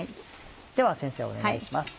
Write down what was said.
では先生お願いします。